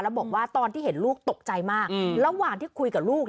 แล้วบอกว่าตอนที่เห็นลูกตกใจมากระหว่างที่คุยกับลูก